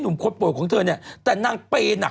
คุณหมอโดนกระช่าคุณหมอโดนกระช่า